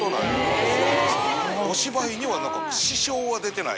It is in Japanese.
お芝居には支障は出てない。